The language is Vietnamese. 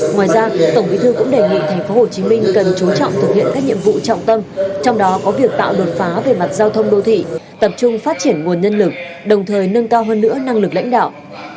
ngoài ra tổng bí thư cũng đề nghị tp hcm cần chú trọng thực hiện các nhiệm vụ trọng tâm trong đó có việc tạo đột phá về mặt giao thông đô thị tập trung phát triển nguồn nhân lực đồng thời nâng cao hơn nữa năng lực lãnh đạo